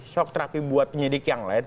shock terapi buat penyidik yang lain